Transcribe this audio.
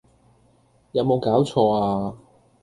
有冇搞錯呀